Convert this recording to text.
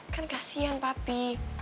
kan kasihan papi